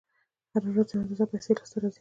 هره ورځ یوه اندازه پیسې لاس ته راځي